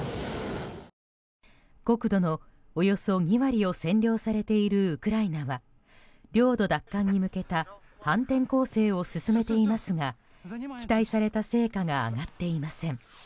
国土のおよそ２割を占領されているウクライナは領土奪還に向けた反転攻勢を進めていますが期待された成果が上がっていません。